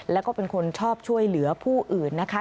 แล้วก็เป็นคนชอบช่วยเหลือผู้อื่นนะคะ